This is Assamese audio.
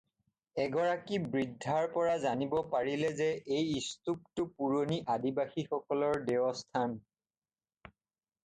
এগৰাকী বৃদ্ধাৰ পৰা জানিব পাৰিলে যে সেই স্তূপটো পুৰণি অধিবাসীসকলৰ দেৱস্থান।